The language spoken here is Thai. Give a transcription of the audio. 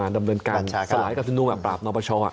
ดำเนินการสลายความสุชนุนมาปราบนอปช